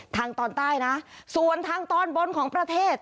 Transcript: ตอนใต้นะส่วนทางตอนบนของประเทศ